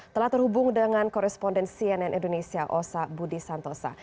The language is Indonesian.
telah terhubung dengan koresponden cnn indonesia osa budi santosa